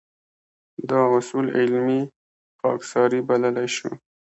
دا اصول علمي خاکساري بللی شو.